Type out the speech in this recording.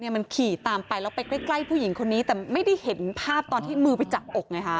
มันขี่ตามไปแล้วไปใกล้ผู้หญิงคนนี้แต่ไม่ได้เห็นภาพตอนที่มือไปจับอกไงฮะ